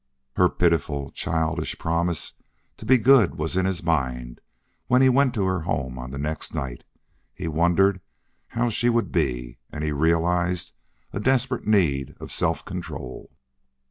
........... Her pitiful, childish promise to be good was in his mind when he went to her home on the next night. He wondered how she would be, and he realized a desperate need of self control.